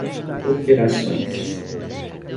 operações